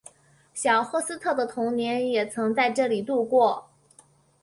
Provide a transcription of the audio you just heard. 小赫斯特的童年也曾在这里度过。